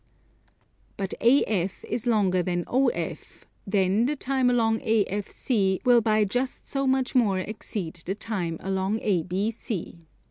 But AF is longer than OF, then the time along AFC will by just so much more exceed the time along ABC.